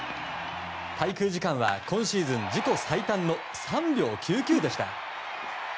滞空時間は今シーズン自己最短の３秒９９でした。